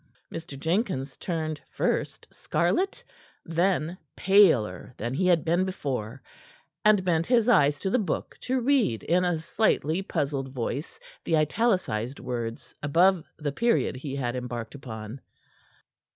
Mr. Jenkins turned first scarlet, then paler than he had been before, and bent his eyes to the book to read in a slightly puzzled voice the italicized words above the period he had embarked upon.